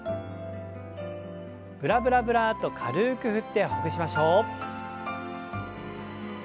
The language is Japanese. ブラブラブラッと軽く振ってほぐしましょう。